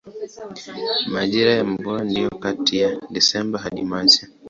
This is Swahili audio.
Majira ya mvua ndiyo kati ya Desemba hadi Machi.